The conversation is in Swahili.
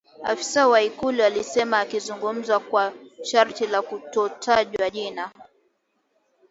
afisa wa ikulu alisema akizungumza kwa sharti la kutotajwa jina